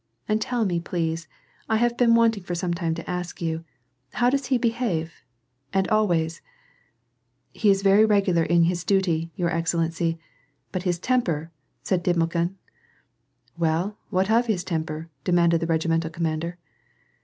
And tell me please, I have been want ing for some time to ask you, how does he behave ? And always "—" He is very regular in his duty, your excellency — but his temper "— said Timokhin. "Well, what of his temper?" demanded the regimental commander.